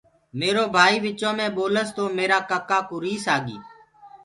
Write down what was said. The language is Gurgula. ميرو ڀآئيٚ وچو مي ٻولس تو ميرآ ڪَڪآ ڪوُ ريس آگي۔